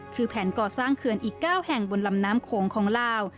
คือแผนก่อสร้างเขื่อนอีก๙แห่งบนลำน้ำโขงของลาว